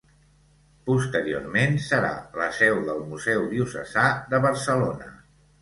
Posteriorment serà la seu del Museu Diocesà de Barcelona.